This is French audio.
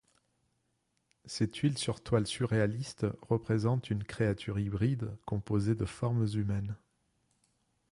Cette huile sur toile surréaliste représente une créature hybride composée de formes humaines.